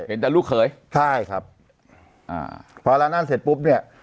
เห็นแต่ลูกเขยใช่ครับอ่าพอละนั่นเสร็จปุ๊บเนี่ย